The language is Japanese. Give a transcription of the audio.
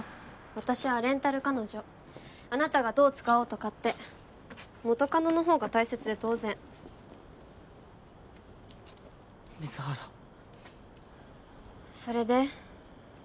私はレンタル彼女あなたがどう使おうと勝手元カノのほうが大切で当然水原それで？